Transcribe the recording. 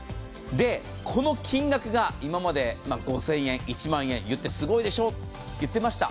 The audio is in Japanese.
この金額が今まで５０００円、１万円、すごいでしょうと言ってました。